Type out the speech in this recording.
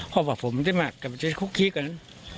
พ่อบอกผมจะมาคุกคลิกกัน